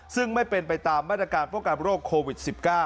ซึ่งไม่เป็นไปตามบรรยาการโปรการโรคโควิด๑๙